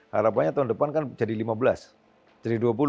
harapannya tahun depan kan jadi lima belas jadi dua puluh